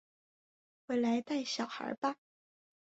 回来带小孩吧